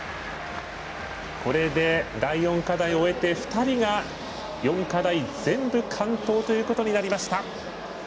これで、第４課題を終えて２人が４課題、全部完登ということになりました。